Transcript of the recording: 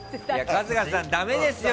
春日さん、だめですよ。